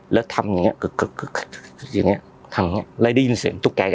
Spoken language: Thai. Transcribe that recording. แล้วทำอย่างเงี้กึกอย่างเงี้ทางเนี้ยแล้วได้ยินเสียงตุ๊กแก